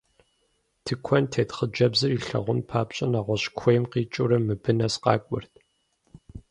Тыкуэнтет хъыджэбзыр илъагъун папщӏэ, нэгъуэщӏ куейм къикӏыурэ мыбы нэс къакӏуэрт.